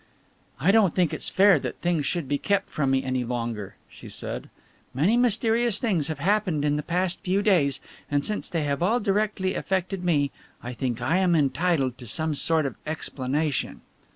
"I don't think it's fair that things should be kept from me any longer," she said. "Many mysterious things have happened in the past few days, and since they have all directly affected me, I think I am entitled to some sort of explanation."